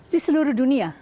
di seluruh dunia